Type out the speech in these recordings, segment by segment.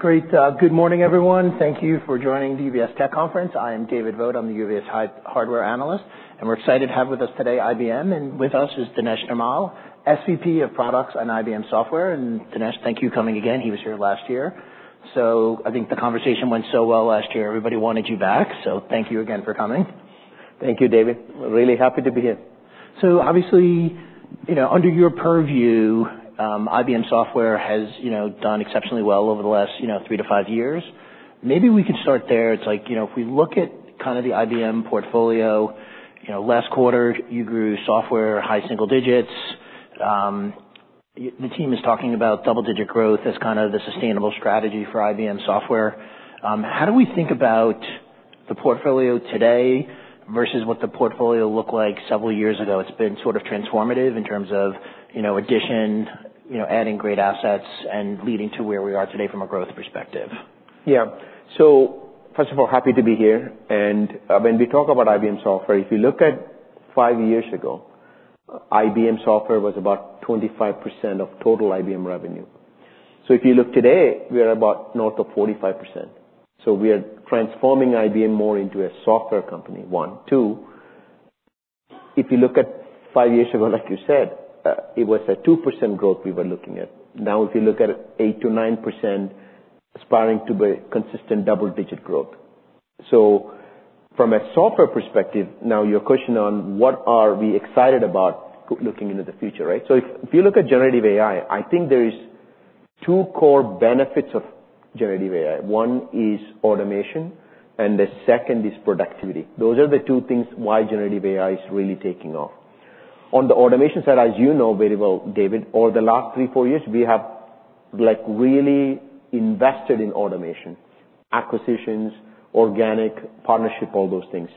Great. Good morning, everyone. Thank you for joining the UBS Tech Conference. I am David Vogt. I am the UBS hardware analyst, and we are excited to have with us today IBM. With us is Dinesh Nirmal, SVP of products on IBM Software. Dinesh, thank you for coming again. He was here last year. I think the conversation went so well last year, everybody wanted you back. Thank you again for coming. Thank you, David. Really happy to be here. Obviously, under your purview, IBM Software has done exceptionally well over the last three to five years. Maybe we can start there. If we look at the IBM portfolio, last quarter, you grew software high single digits. The team is talking about double-digit growth as the sustainable strategy for IBM Software. How do we think about the portfolio today versus what the portfolio looked like several years ago? It has been sort of transformative in terms of addition, adding great assets, and leading to where we are today from a growth perspective. First of all, happy to be here. When we talk about IBM Software, if you look at 5 years ago, IBM Software was about 25% of total IBM revenue. If you look today, we are about north of 45%. We are transforming IBM more into a software company, one. Two, if you look at 5 years ago, like you said, it was a 2% growth we were looking at. Now, if you look at it, 8% to 9%, aspiring to be consistent double-digit growth. From a software perspective, now your question on what are we excited about looking into the future, right? If you look at generative AI, I think there is two core benefits of generative AI. One is automation, and the second is productivity. Those are the two things why generative AI is really taking off. On the automation side, as you know very well, David, over the last three, four years, we have really invested in automation. Acquisitions, organic partnership, all those things.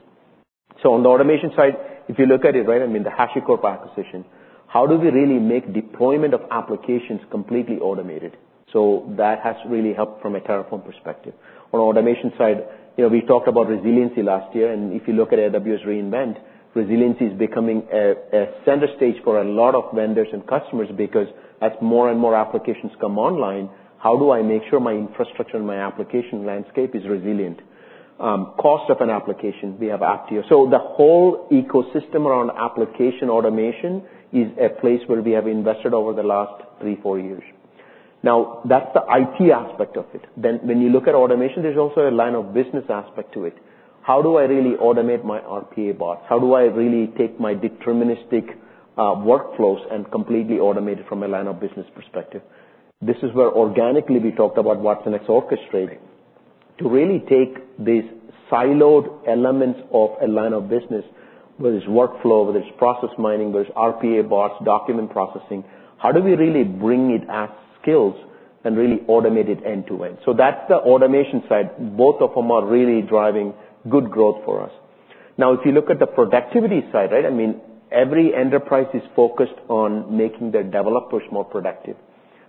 On the automation side, if you look at it, right, I mean, the HashiCorp acquisition. How do we really make deployment of applications completely automated? That has really helped from a Terraform perspective. On automation side, we talked about resiliency last year, and if you look at AWS re:Invent, resiliency is becoming a center stage for a lot of vendors and customers because as more and more applications come online, how do I make sure my infrastructure and my application landscape is resilient? Cost of an application, we have Apptio. The whole ecosystem around application automation is a place where we have invested over the last three, four years. That's the IT aspect of it. When you look at automation, there's also a line of business aspect to it. How do I really automate my RPA bots? How do I really take my deterministic workflows and completely automate it from a line of business perspective? This is where organically we talked about watsonx Orchestrate to really take these siloed elements of a line of business, whether it's workflow, whether it's process mining, whether it's RPA bots, document processing. How do we really bring it as skills and really automate it end to end? That's the automation side. Both of them are really driving good growth for us. If you look at the productivity side, right, every enterprise is focused on making their developers more productive.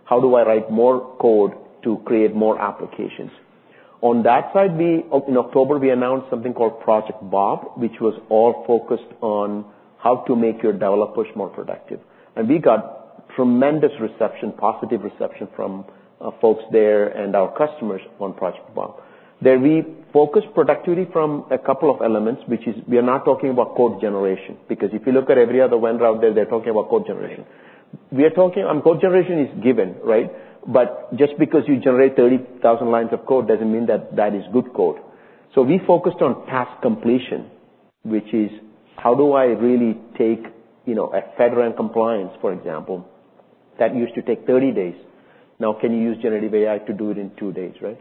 How do I write more code to create more applications? On that side, in October, we announced something called Project Bob, which was all focused on how to make your developers more productive. We got tremendous reception, positive reception from folks there and our customers on Project Bob. We focused productivity from a couple of elements, which is we are not talking about code generation, because if you look at every other vendor out there, they're talking about code generation. Code generation is given, right? Just because you generate 30,000 lines of code doesn't mean that that is good code. We focused on task completion, which is, how do I really take a federal compliance, for example, that used to take 30 days. Can you use generative AI to do it in two days, right?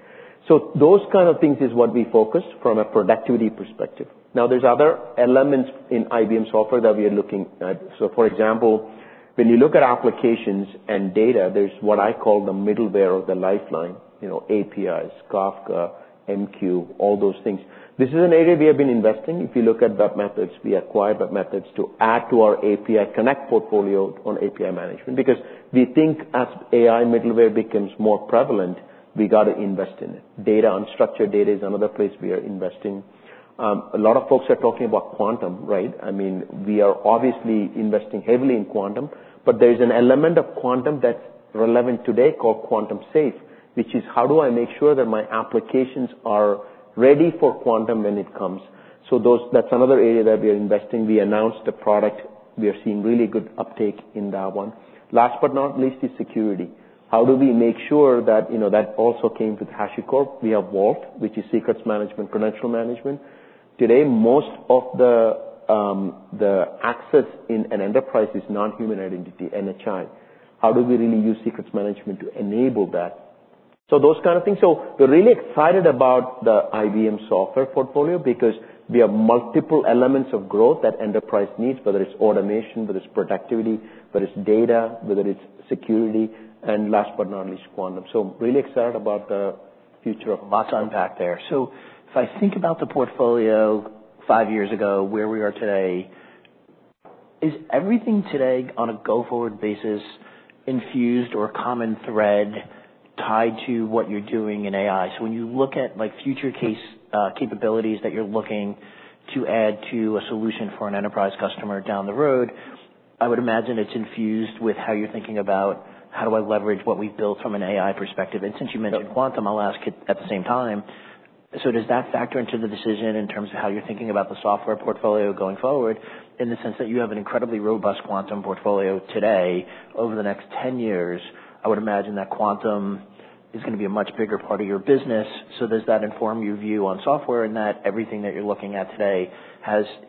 Those kind of things is what we focused from a productivity perspective. There's other elements in IBM Software that we are looking at. For example, when you look at applications and data, there's what I call the middleware of the lifeline, APIs, Kafka, MQ, all those things. This is an area we have been investing. If you look at webMethods, we acquired webMethods to add to our API Connect portfolio on API management, because we think as AI middleware becomes more prevalent, we got to invest in it. Data, unstructured data is another place we are investing. A lot of folks are talking about quantum, right? We are obviously investing heavily in quantum, but there is an element of quantum that's relevant today called quantum safe, which is, how do I make sure that my applications are ready for quantum when it comes? That's another area that we are investing. We announced a product. We are seeing really good uptake in that one. Last but not least is security. How do we make sure that That also came with HashiCorp. We have Vault, which is secrets management, credential management. Today, most of the access in an enterprise is non-human identity, NHI. How do we really use secrets management to enable that? Those kind of things. We're really excited about the IBM Software portfolio because we have multiple elements of growth that enterprise needs, whether it's automation, whether it's productivity, whether it's data, whether it's security, and last but not least, quantum. Really excited about the future of Watson. Lots to unpack there. If I think about the portfolio five years ago, where we are today, is everything today on a go-forward basis infused or common thread tied to what you're doing in AI? When you look at future case capabilities that you're looking to add to a solution for an enterprise customer down the road, I would imagine it's infused with how you're thinking about how do I leverage what we've built from an AI perspective? Since you mentioned Quantum, I'll ask at the same time, does that factor into the decision in terms of how you're thinking about the software portfolio going forward, in the sense that you have an incredibly robust Quantum portfolio today? Over the next 10 years, I would imagine that Quantum is going to be a much bigger part of your business. Does that inform your view on software in that everything that you're looking at today,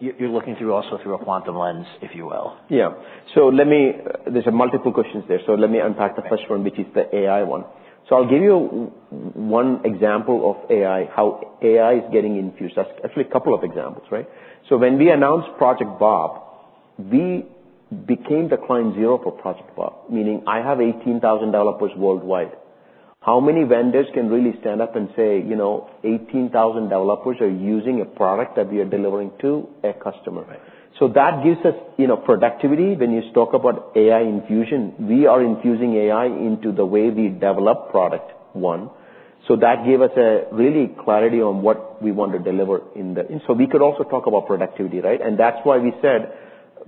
you're looking through also through a Quantum lens, if you will? Yeah. There's multiple questions there. Let me unpack the first one, which is the AI one. I'll give you one example of AI, how AI is getting infused. Actually, a couple of examples, right? When we announced Project Bob, we became the client zero for Project Bob, meaning I have 18,000 developers worldwide. How many vendors can really stand up and say 18,000 developers are using a product that we are delivering to a customer. Right. That gives us productivity. When you talk about AI infusion, we are infusing AI into the way we develop product. One, that gave us a really clarity on what we want to deliver in the. We could also talk about productivity, right? That's why we said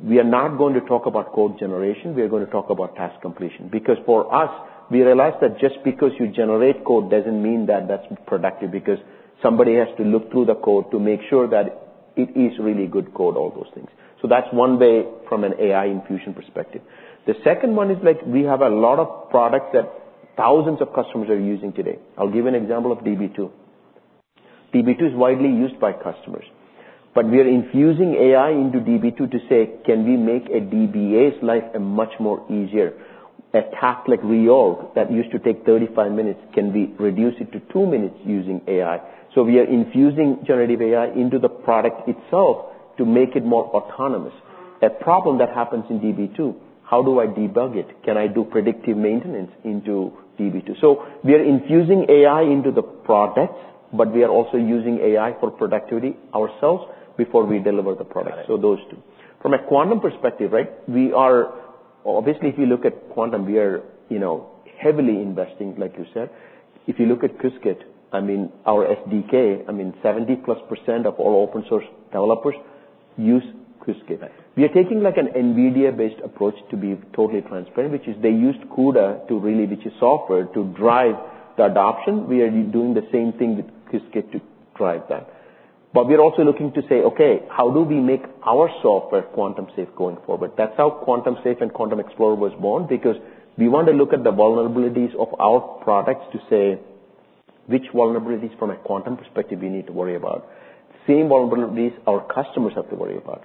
we are not going to talk about code generation. We are going to talk about task completion. For us, we realized that just because you generate code doesn't mean that that's productive, because somebody has to look through the code to make sure that it is really good code, all those things. That's one way from an AI infusion perspective. The second one is, we have a lot of products that thousands of customers are using today. I'll give you an example of Db2. Db2 is widely used by customers, but we are infusing AI into Db2 to say, "Can we make a DBA's life a much more easier?" A task like reorg that used to take 35 minutes can be reduced to two minutes using AI. We are infusing generative AI into the product itself to make it more autonomous. A problem that happens in Db2, how do I debug it? Can I do predictive maintenance into Db2? We are infusing AI into the products, but we are also using AI for productivity ourselves before we deliver the product. Right. Those two. From a quantum perspective, right, obviously, if you look at quantum, we are heavily investing, like you said. If you look at Qiskit, our SDK, 70-plus% of all open source developers use Qiskit. Right. We are taking an NVIDIA-based approach, to be totally transparent, which is they used CUDA, which is software, to drive the adoption. We are doing the same thing with Qiskit to drive that. We're also looking to say, "Okay, how do we make our software quantum safe going forward?" That's how Quantum Safe and Quantum Explorer was born. We want to look at the vulnerabilities of our products to say which vulnerabilities from a quantum perspective you need to worry about, same vulnerabilities our customers have to worry about.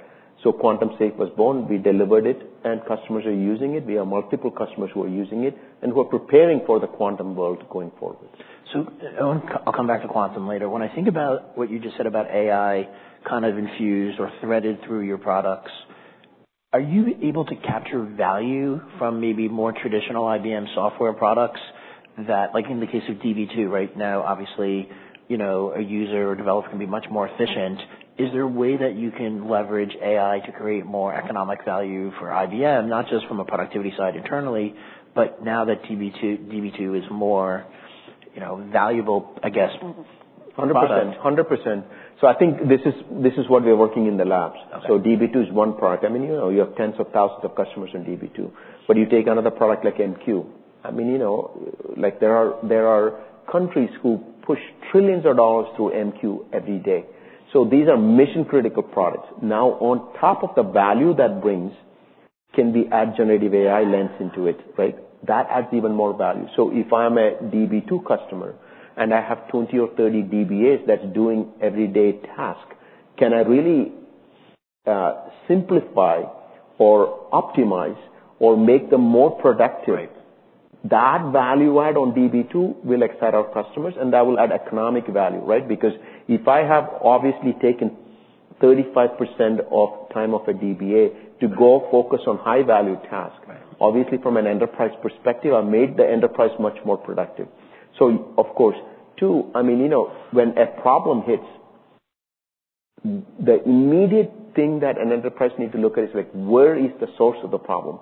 Quantum Safe was born, we delivered it, and customers are using it. We have multiple customers who are using it, and we're preparing for the quantum world going forward. I'll come back to Quantum later. When I think about what you just said about AI kind of infused or threaded through your products, are you able to capture value from maybe more traditional IBM software products? That, like in the case of Db2 right now, obviously, a user or developer can be much more efficient. Is there a way that you can leverage AI to create more economic value for IBM, not just from a productivity side internally, but now that Db2 is more valuable, I guess, product? 100%. I think this is what we are working in the labs. Okay. Db2 is one product. You know, you have tens of thousands of customers on Db2. You take another product like MQ. There are countries who push $trillions through MQ every day. These are mission-critical products. Now, on top of the value that brings, can we add generative AI lens into it, right? That adds even more value. If I'm a Db2 customer and I have 20 or 30 DBAs that's doing everyday task, can I really simplify or optimize or make them more productive? Right. That value add on Db2 will excite our customers, and that will add economic value, right? Because if I have obviously taken 35% of time off a DBA to go focus on high-value task. Right. Obviously, from an enterprise perspective, I made the enterprise much more productive. Of course, two, when a problem hits, the immediate thing that an enterprise needs to look at is, where is the source of the problem?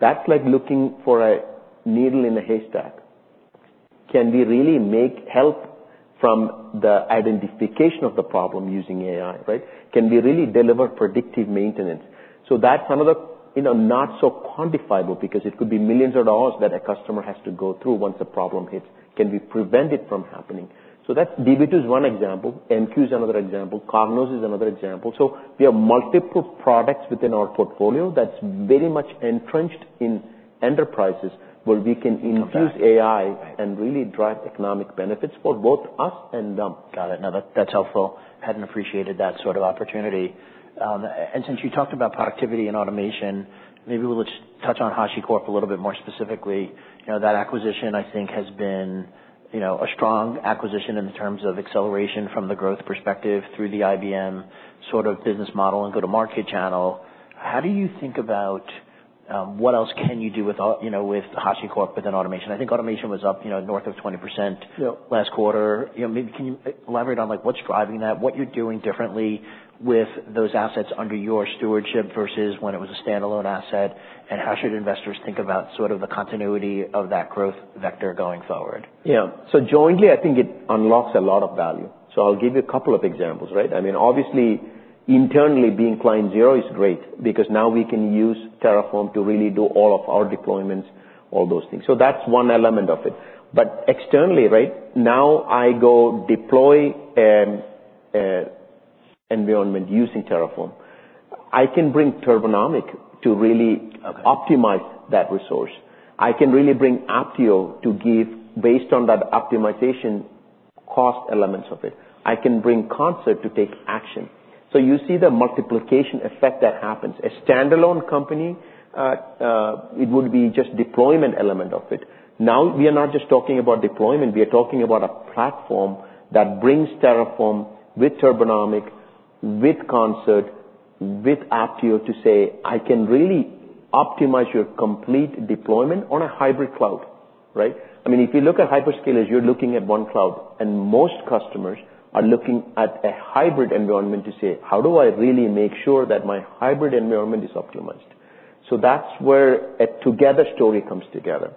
That's like looking for a needle in a haystack. Can we really make help from the identification of the problem using AI, right? Can we really deliver predictive maintenance? That's another not so quantifiable, because it could be millions of dollars that a customer has to go through once a problem hits. Can we prevent it from happening? Db2 is one example. MQ is another example. Cognos is another example. We have multiple products within our portfolio that's very much entrenched in enterprises where we can infuse AI- Come back. Right Really drive economic benefits for both us and them. Got it. No, that's helpful. Hadn't appreciated that sort of opportunity. Since you talked about productivity and automation, maybe we'll just touch on HashiCorp a little bit more specifically. That acquisition, I think, has been a strong acquisition in terms of acceleration from the growth perspective through the IBM sort of business model and go to market channel. How do you think about what else can you do with HashiCorp within automation? I think automation was up north of 20%- Yep last quarter. Can you elaborate on what's driving that, what you're doing differently with those assets under your stewardship versus when it was a standalone asset, and how should investors think about sort of the continuity of that growth vector going forward? Jointly, I think it unlocks a lot of value. I'll give you a couple of examples, right? Internally, being client zero is great because now we can use Terraform to really do all of our deployments, all those things. That's one element of it. Externally, right, now I go deploy an environment using Terraform. I can bring Turbonomic to really optimize that resource. I can really bring Apptio to give, based on that optimization, cost elements of it. I can bring Concert to take action. You see the multiplication effect that happens. A standalone company, it would be just deployment element of it. Now we are not just talking about deployment, we are talking about a platform that brings Terraform with Turbonomic, with Concert, with Apptio to say, "I can really optimize your complete deployment on a hybrid cloud." Right? If you look at hyperscalers, you're looking at one cloud, and most customers are looking at a hybrid environment to say, "How do I really make sure that my hybrid environment is optimized?" That's where a together story comes together.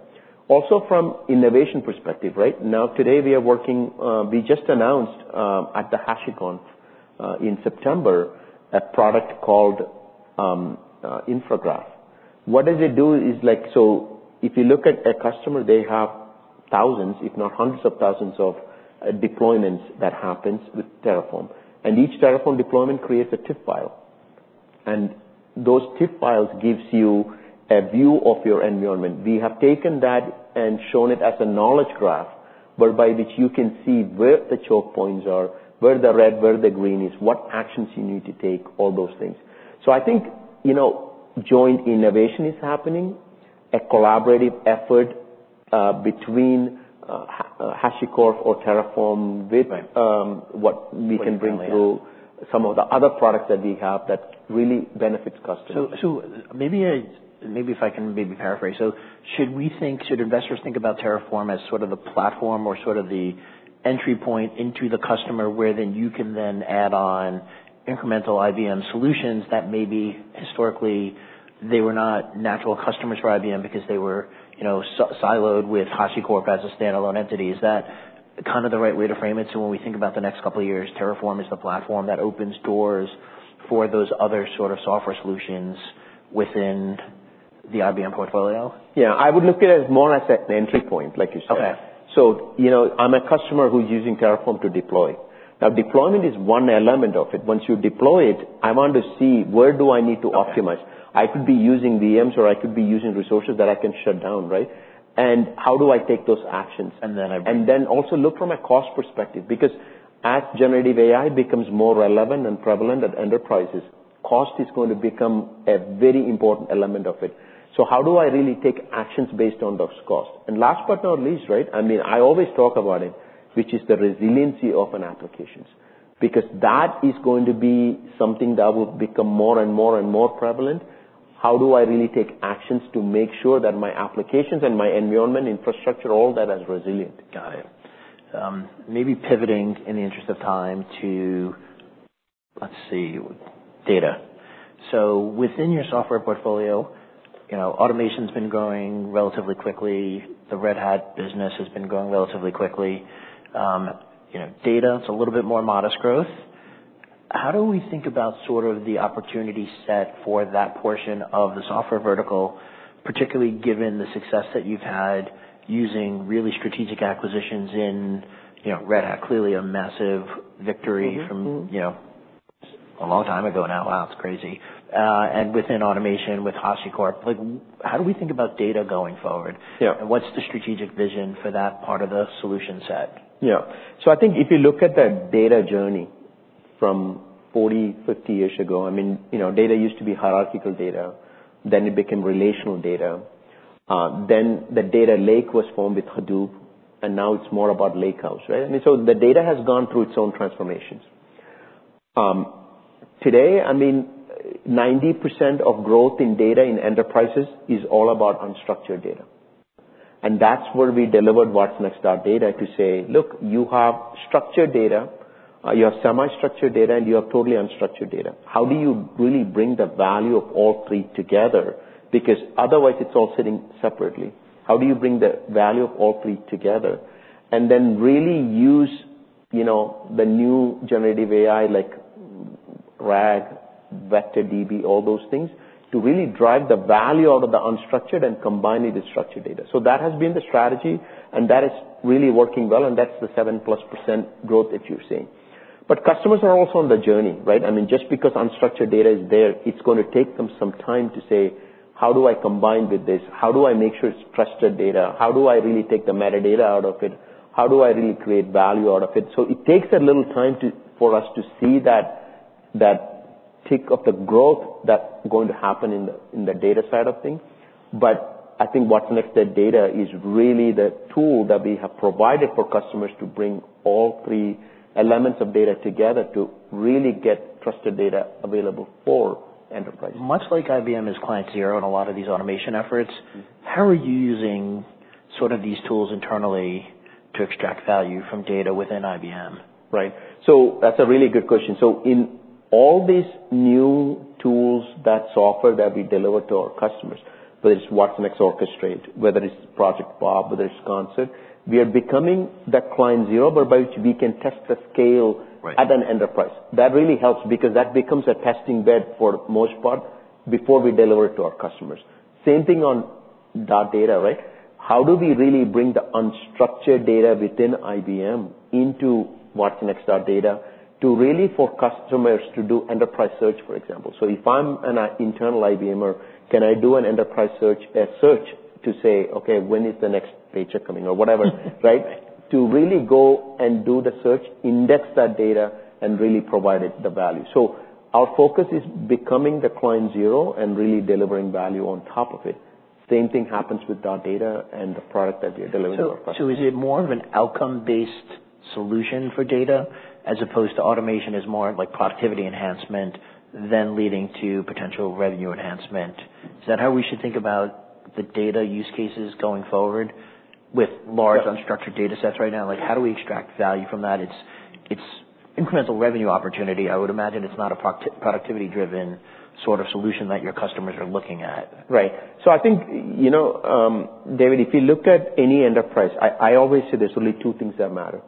Also from innovation perspective, right? Today we just announced at the HashiConf in September, a product called InfraGraph. What does it do is, if you look at a customer, they have thousands, if not hundreds of thousands of deployments that happens with Terraform. Each Terraform deployment creates a state file. Those state files gives you a view of your environment. We have taken that and shown it as a knowledge graph, whereby which you can see where the choke points are, where the red, where the green is, what actions you need to take, all those things. I think joint innovation is happening. A collaborative effort between HashiCorp or Terraform with what we can bring through some of the other products that we have that really benefits customers. Maybe if I can maybe paraphrase. Should investors think about Terraform as sort of a platform or sort of the entry point into the customer where then you can then add on incremental IBM solutions that maybe historically they were not natural customers for IBM because they were siloed with HashiCorp as a standalone entity. Is that the right way to frame it, so when we think about the next couple of years, Terraform is the platform that opens doors for those other software solutions within the IBM portfolio? Yeah, I would look at it as more as an entry point, like you said. Okay. I'm a customer who's using Terraform to deploy. Now deployment is one element of it. Once you deploy it, I want to see where do I need to optimize. I could be using VMs or I could be using resources that I can shut down, right? How do I take those actions? Then IBM. Also look from a cost perspective, because as generative AI becomes more relevant and prevalent at enterprises, cost is going to become a very important element of it. How do I really take actions based on those costs? Last but not least, right? I always talk about it, which is the resiliency of an applications. That is going to be something that will become more and more and more prevalent. How do I really take actions to make sure that my applications and my environment, infrastructure, all that is resilient. Got it. Maybe pivoting in the interest of time to, let's see, data. Within your software portfolio, automation's been growing relatively quickly. The Red Hat business has been growing relatively quickly. Data, it's a little bit more modest growth. How do we think about sort of the opportunity set for that portion of the software vertical, particularly given the success that you've had using really strategic acquisitions in Red Hat, clearly a massive victory. from a long time ago now. It's crazy. Within automation with HashiCorp. How do we think about data going forward? Yeah. What's the strategic vision for that part of the solution set? Yeah. I think if you look at the data journey from 40, 50 years ago, data used to be hierarchical data, then it became relational data, then the data lake was formed with Hadoop, now it's more about lakehouse, right? The data has gone through its own transformations. Today, 90% of growth in data in enterprises is all about unstructured data. That's where we delivered watsonx.data to say, "Look, you have structured data, you have semi-structured data, and you have totally unstructured data. How do you really bring the value of all three together? Because otherwise it's all sitting separately. How do you bring the value of all three together and then really use the new generative AI like RAG, Vector DB, all those things to really drive the value out of the unstructured and combine it with structured data?" That has been the strategy, that is really working well, that's the seven plus % growth that you're seeing. Customers are also on the journey, right? Just because unstructured data is there, it's going to take them some time to say, "How do I combine with this? How do I make sure it's trusted data? How do I really take the metadata out of it? How do I really create value out of it?" It takes a little time for us to see that tick of the growth that's going to happen in the data side of things. I think watsonx.data is really the tool that we have provided for customers to bring all three elements of data together to really get trusted data available for enterprises. Much like IBM is client zero in a lot of these automation efforts, how are you using these tools internally to extract value from data within IBM? That's a really good question. In all these new tools, that software that we deliver to our customers- Whether it's watsonx Orchestrate, whether it's Project Bob, whether it's Concert, we are becoming the client zero by which we can test the scale- Right at an enterprise. That really helps because that becomes a testing bed for the most part before we deliver it to our customers. Same thing on that data, right? How do we really bring the unstructured data within IBM into watsonx.data to really, for customers to do enterprise search, for example. If I'm an internal IBMer, can I do an enterprise search, a search to say, "Okay, when is the next paycheck coming?" Or whatever. Right? To really go and do the search, index that data, and really provide it the value. Our focus is becoming the client zero and really delivering value on top of it. Same thing happens with that data and the product that we are delivering to our customers. Is it more of an outcome-based solution for data as opposed to automation is more of productivity enhancement, then leading to potential revenue enhancement? Is that how we should think about the data use cases going forward with large- Yeah unstructured data sets right now? How do we extract value from that? It's incremental revenue opportunity. I would imagine it's not a productivity-driven sort of solution that your customers are looking at. Right. I think, David, if you look at any enterprise, I always say there's only two things that matter.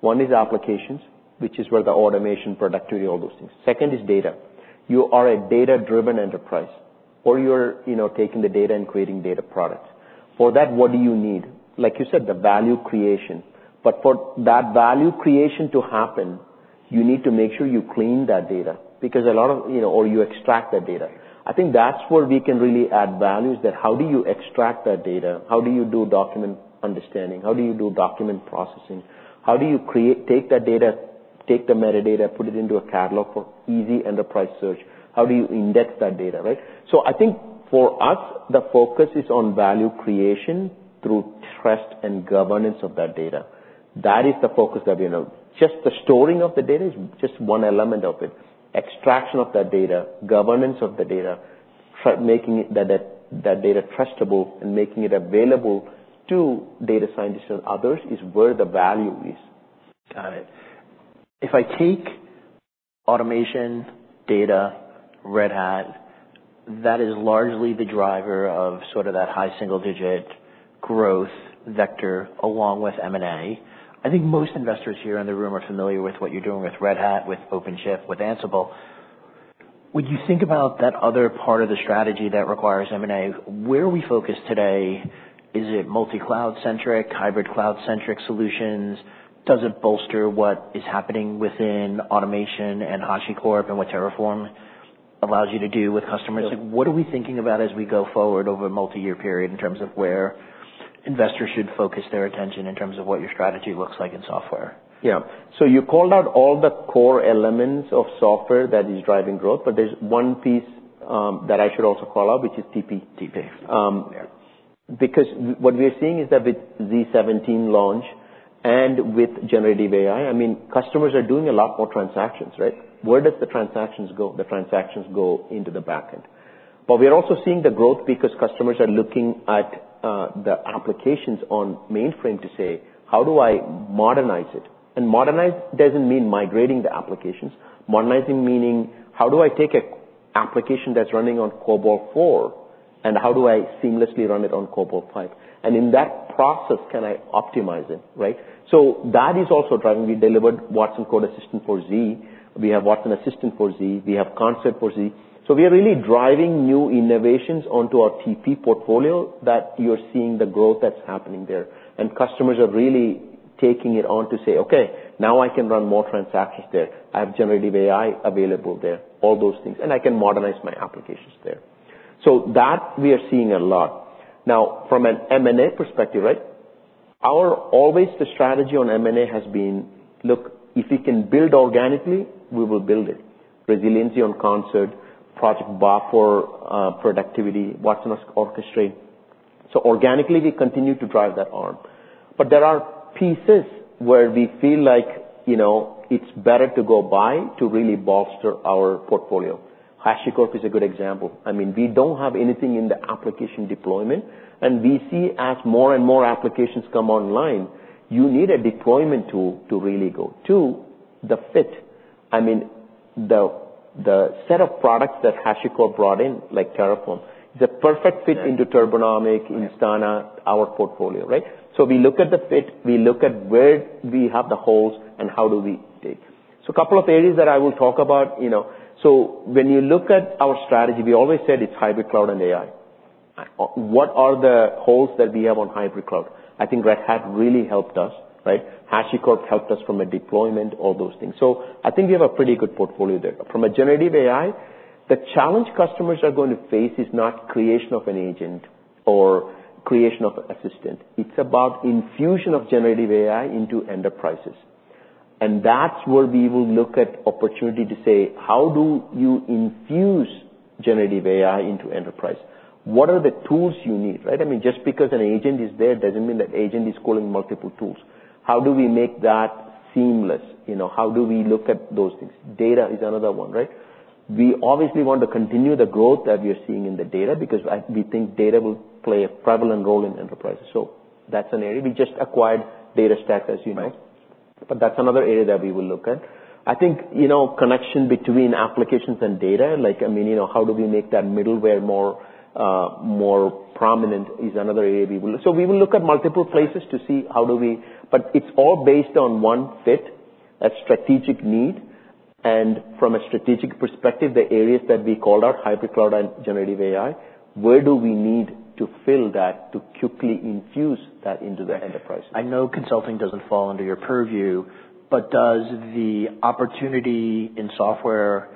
One is applications, which is where the automation, productivity, all those things. Second is data. You are a data-driven enterprise, or you're taking the data and creating data products. For that, what do you need? Like you said, the value creation. For that value creation to happen, you need to make sure you clean that data or you extract that data. I think that's where we can really add value, is that how do you extract that data? How do you do document understanding? How do you do document processing? How do you take that data, take the metadata, put it into a catalog for easy enterprise search? How do you index that data, right? I think for us, the focus is on value creation through trust and governance of that data. That is the focus that we have. Just the storing of the data is just one element of it. Extraction of that data, governance of the data, making that data trustable and making it available to data scientists and others is where the value is. Got it. If I take automation, data, Red Hat, that is largely the driver of that high single-digit growth vector along with M&A. I think most investors here in the room are familiar with what you're doing with Red Hat, with OpenShift, with Ansible. When you think about that other part of the strategy that requires M&A, where are we focused today? Is it multi-cloud centric, hybrid cloud centric solutions? Does it bolster what is happening within automation and HashiCorp and what Terraform allows you to do with customers? Yeah. What are we thinking about as we go forward over a multi-year period in terms of where investors should focus their attention in terms of what your strategy looks like in software? Yeah. You called out all the core elements of software that is driving growth, but there's one piece that I should also call out, which is TP. TP. Yeah. What we are seeing is that with Z17 launch and with generative AI, customers are doing a lot more transactions, right? Where does the transactions go? The transactions go into the back end. We are also seeing the growth because customers are looking at the applications on mainframe to say, "How do I modernize it?" Modernize doesn't mean migrating the applications. Modernizing meaning, how do I take an application that's running on COBOL Four and how do I seamlessly run it on COBOL Five? In that process, can I optimize it, right? That is also driving. We delivered watsonx Code Assistant for Z. We have watsonx Assistant for Z. We have Concert for Z. We are really driving new innovations onto our TP portfolio that you're seeing the growth that's happening there, customers are really taking it on to say, "Okay, now I can run more transactions there. I have generative AI available there, all those things. I can modernize my applications there." That, we are seeing a lot. Now, from an M&A perspective, right? Always the strategy on M&A has been, look, if we can build organically, we will build it. Resiliency on Concert, Project Bob for productivity, watsonx Orchestrate. Organically, we continue to drive that arm. There are pieces where we feel like it's better to go buy to really bolster our portfolio. HashiCorp is a good example. We don't have anything in the application deployment, we see as more and more applications come online, you need a deployment tool to really go. Two, the fit. The set of products that HashiCorp brought in, like Terraform, is a perfect fit. Right into Turbonomic, Instana, our portfolio, right? We look at the fit, we look at where we have the holes, and how do we take. A couple of areas that I will talk about. When you look at our strategy, we always said it's hybrid cloud and AI. AI. What are the holes that we have on hybrid cloud? I think Red Hat really helped us, right? HashiCorp helped us from a deployment, all those things. I think we have a pretty good portfolio there. From a generative AI, the challenge customers are going to face is not creation of an agent or creation of assistant. It's about infusion of generative AI into enterprises. That's where we will look at opportunity to say, how do you infuse generative AI into enterprise? What are the tools you need, right? Just because an agent is there doesn't mean that agent is calling multiple tools. How do we make that seamless? How do we look at those things? Data is another one, right? We obviously want to continue the growth that we are seeing in the data because we think data will play a prevalent role in enterprises. That's an area. We just acquired DataStax, as you know. That's another area that we will look at. I think connection between applications and data, like how do we make that middleware more prominent is another area we will look. We will look at multiple places to see. It's all based on one fit, a strategic need, and from a strategic perspective, the areas that we called out, hybrid cloud and generative AI, where do we need to fill that to quickly infuse that into the enterprise? I know consulting doesn't fall under your purview, does the opportunity in software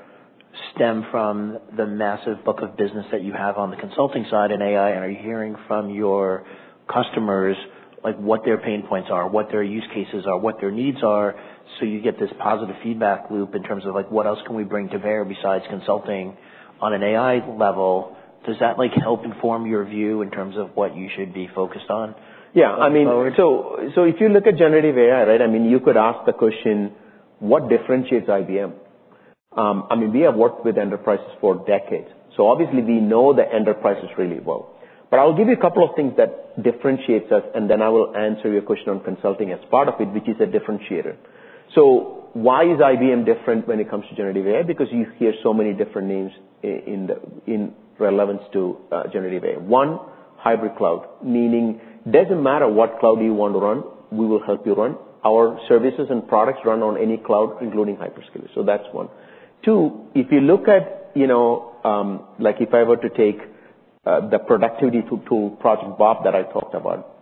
stem from the massive book of business that you have on the consulting side in AI? Are you hearing from your customers what their pain points are, what their use cases are, what their needs are, so you get this positive feedback loop in terms of what else can we bring to bear besides consulting on an AI level? Does that help inform your view in terms of what you should be focused on going forward? Yeah. If you look at generative AI, you could ask the question, what differentiates IBM? We have worked with enterprises for decades, obviously we know the enterprises really well. I'll give you a couple of things that differentiates us, and then I will answer your question on consulting as part of it, which is a differentiator. Why is IBM different when it comes to generative AI? Because you hear so many different names in relevance to generative AI. One, hybrid cloud. Meaning, doesn't matter what cloud you want to run, we will help you run. Our services and products run on any cloud, including hyperscale. That's one. Two, If I were to take the productivity tool, Project Bob, that I talked about.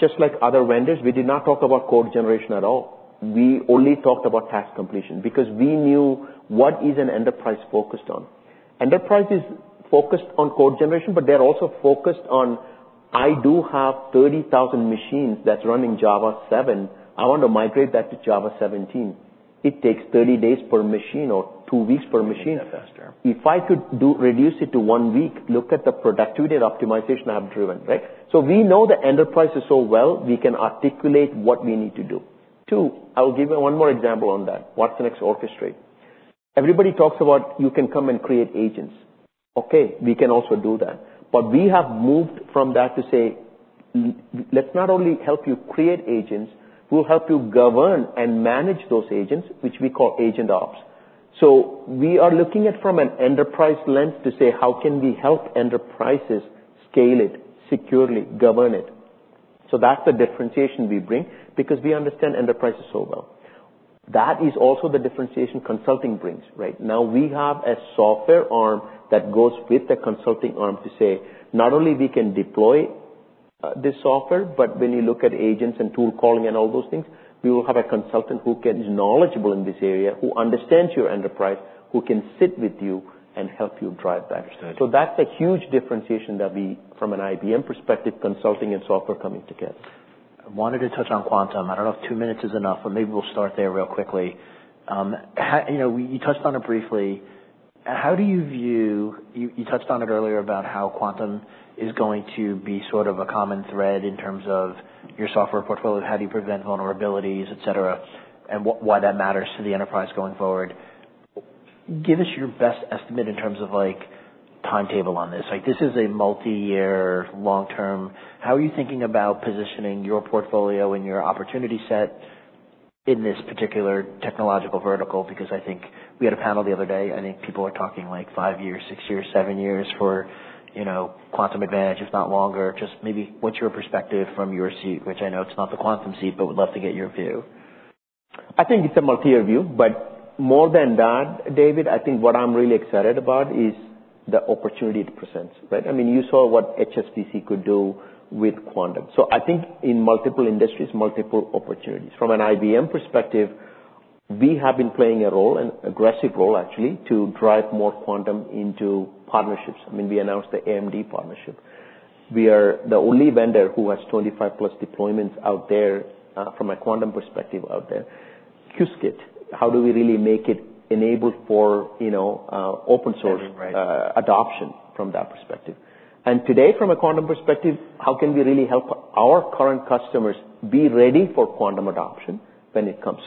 Just like other vendors, we did not talk about code generation at all. We only talked about task completion because we knew what is an enterprise focused on. Enterprise is focused on code generation, but they're also focused on, "I do have 30,000 machines that's running Java 7. I want to migrate that to Java 17." It takes 30 days per machine or two weeks per machine. You need that faster. If I could reduce it to one week, look at the productivity and optimization I have driven, right? We know the enterprises so well, we can articulate what we need to do. I'll give you one more example on that. watsonx Orchestrate. Everybody talks about you can come and create agents. Okay, we can also do that. But we have moved from that to say, "Let's not only help you create agents, we'll help you govern and manage those agents," which we call AgentOps. We are looking at from an enterprise lens to say, how can we help enterprises scale it securely, govern it? That's the differentiation we bring because we understand enterprises so well. That is also the differentiation consulting brings. We have a software arm that goes with the consulting arm to say, not only we can deploy this software, but when you look at agents and tool calling and all those things, we will have a consultant who is knowledgeable in this area, who understands your enterprise, who can sit with you and help you drive that. Understood. That's a huge differentiation that we, from an IBM perspective, consulting and software coming together. I wanted to touch on quantum. I don't know if two minutes is enough, but maybe we'll start there real quickly. You touched on it briefly. You touched on it earlier about how quantum is going to be sort of a common thread in terms of your software portfolio, how do you prevent vulnerabilities, et cetera, and why that matters to the enterprise going forward. Give us your best estimate in terms of timetable on this. This is a multi-year, long-term. How are you thinking about positioning your portfolio and your opportunity set in this particular technological vertical? Because I think we had a panel the other day, I think people are talking like five years, six years, seven years for quantum advantage, if not longer. Just maybe what's your perspective from your seat, which I know it's not the quantum seat, but would love to get your view. It's a multi-year view. More than that, David, I think what I'm really excited about is the opportunity it presents, right? You saw what HSBC could do with quantum. I think in multiple industries, multiple opportunities. From an IBM perspective, we have been playing a role, an aggressive role actually, to drive more quantum into partnerships. We announced the AMD partnership. We are the only vendor who has 25 plus deployments out there from a quantum perspective out there. Qiskit, how do we really make it enabled for open source adoption from that perspective? Today, from a quantum perspective, how can we really help our current customers be ready for quantum adoption when it comes?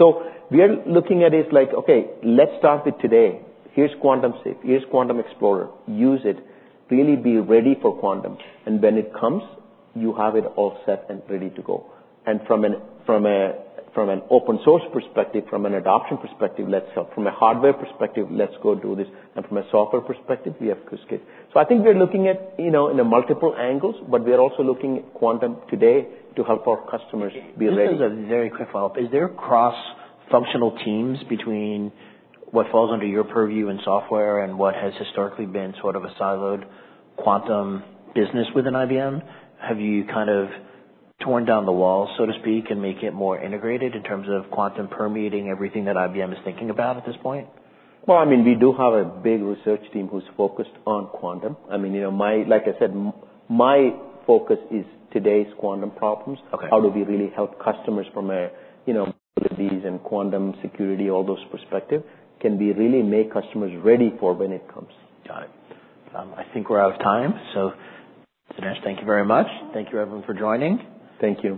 We are looking at, let's start with today. Here's Quantum Safe, here's Quantum Explorer. Use it. Really be ready for quantum. When it comes, you have it all set and ready to go. From an open source perspective, from an adoption perspective, let's help. From a hardware perspective, let's go do this. From a software perspective, we have Qiskit. I think we're looking at in a multiple angles, but we are also looking at quantum today to help our customers be ready. This is a very quick follow-up. Is there cross-functional teams between what falls under your purview in software and what has historically been sort of a siloed quantum business within IBM? Have you kind of torn down the wall, so to speak, and make it more integrated in terms of quantum permeating everything that IBM is thinking about at this point? Well, we do have a big research team who's focused on quantum. Like I said, my focus is today's quantum problems. Okay. How do we really help customers from a and quantum security, all those perspective, can we really make customers ready for when it comes time? I think we're out of time. Dinesh, thank you very much. Thank you everyone for joining. Thank you.